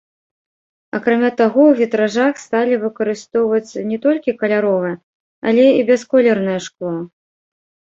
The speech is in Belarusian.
Акрамя таго ў вітражах сталі выкарыстоўваць не толькі каляровае, але і бясколернае шкло.